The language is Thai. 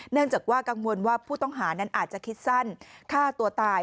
เนื่องจากว่ากังวลว่าผู้ต้องหานั้นอาจจะคิดสั้นฆ่าตัวตาย